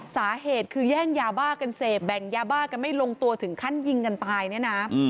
สาเหตุคือแย่งยาบ้ากันเสพแบ่งยาบ้ากันไม่ลงตัวถึงขั้นยิงกันตายเนี่ยนะ